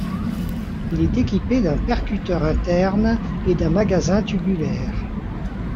Il est équipé d'un percuteur interne et d'un magasin tubulaire.